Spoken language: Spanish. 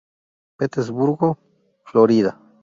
Petersburg, Florida.